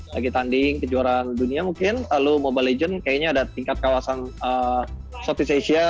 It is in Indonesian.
lagi tanding kejuaraan dunia mungkin lalu mobile legends kayaknya ada tingkat kawasan southeast asia